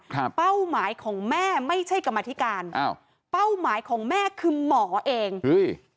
เป้าหมายของแม่ไม่ใช่กรรมธิการอ้าวเป้าหมายของแม่คือหมอเองเฮ้ย